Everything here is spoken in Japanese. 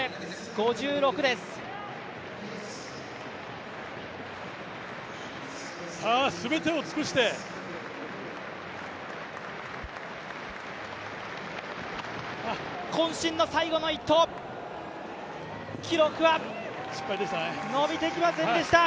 こん身の最後の１投、記録は伸びていきませんでした。